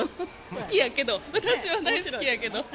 好きやけど、私は大好きやけど。